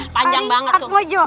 panjang banget tuh